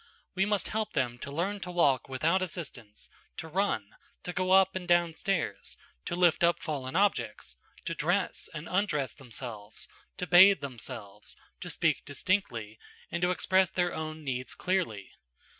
We must help them to learn to walk without assistance, to run, to go up and down stairs, to lift up fallen objects, to dress and undress themselves, to bathe themselves, to speak distinctly, and to express their own needs clearly.